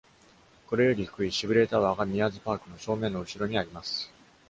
これより低いシブレイ・タワーが、ミアーズ・パークの正面の後ろにあります。